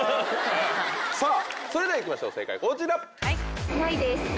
それでは行きましょう正解こちら。